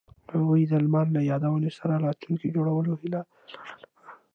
هغوی د لمر له یادونو سره راتلونکی جوړولو هیله لرله.